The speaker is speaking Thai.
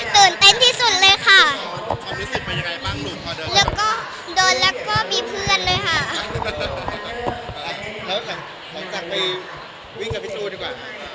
ตื่นเต้นที่สุดเลยค่ะ